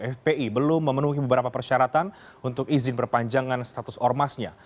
fpi belum memenuhi beberapa persyaratan untuk izin perpanjangan status ormasnya